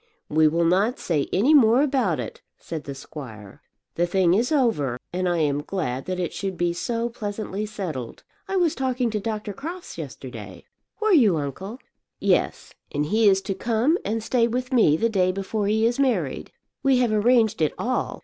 "We will not say any more about it," said the squire. "The thing is over, and I am very glad that it should be so pleasantly settled. I was talking to Dr. Crofts yesterday." "Were you, uncle?" "Yes; and he is to come and stay with me the day before he is married. We have arranged it all.